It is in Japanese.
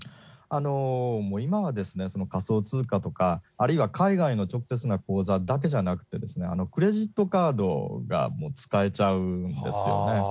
もう今は仮想通貨とか、あるいは海外の直接の口座だけじゃなくて、クレジットカードがもう使えちゃうんですよね。